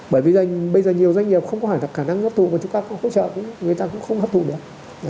bởi vì bây giờ nhiều doanh nghiệp không có khả năng hấp thụ mà chúng ta không hỗ trợ người ta cũng không hấp thụ được